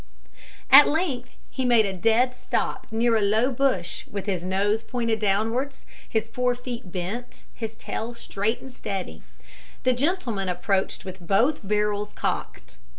At length he made a dead stop near a low bush, with his nose pointed downwards, his fore feet bent, his tail straight and steady. The gentleman approached with both barrels cocked.